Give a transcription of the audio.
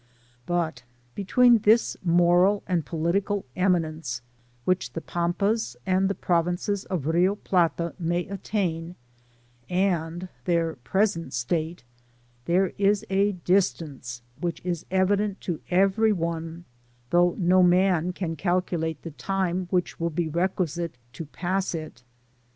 But between this moral and political eminence which the Pampas and the provinces of Rio Plata may attain, and their present state, there is a dis« tance which is evident to every one, though no man can calculate the time which will be requisite to pass it.